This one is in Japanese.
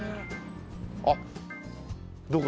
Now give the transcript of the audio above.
あっどこ？